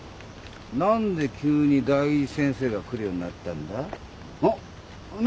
何で急に代議士先生が来るようになったんだ？